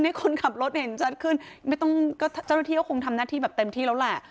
ให้คนขับรถเห็นชัดขึ้นไม่ต้องก็เจ้าหน้าที่ก็คงทำหน้าที่แบบเต็มที่แล้วแหละ